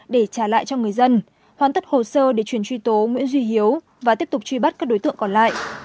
để trả lại cho người dân hoàn tất hồ sơ để chuyển truy tố nguyễn duy hiếu và tiếp tục truy bắt các đối tượng còn lại